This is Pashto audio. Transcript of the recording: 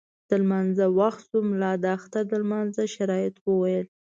د لمانځه وخت شو، ملا د اختر د لمانځه شرایط وویل.